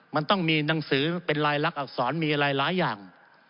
มันต้องมีหนังสือเป็นลายลักษรมีอะไรหลายอย่าง